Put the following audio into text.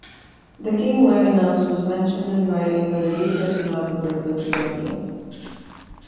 The King Luernios was mentioned in writing by the Greek ethnographer Posidonius.